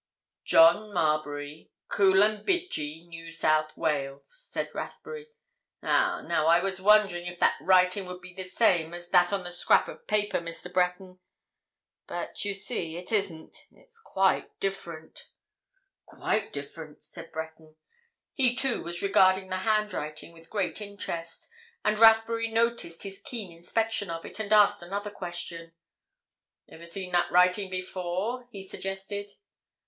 "'John Marbury, Coolumbidgee, New South Wales,'" said Rathbury. "Ah—now I was wondering if that writing would be the same as that on the scrap of paper, Mr. Breton. But, you see, it isn't—it's quite different." "Quite different," said Breton. He, too, was regarding the handwriting with great interest. And Rathbury noticed his keen inspection of it, and asked another question. "Ever seen that writing before?" he suggested.